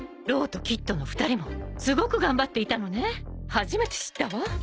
初めて知ったわ。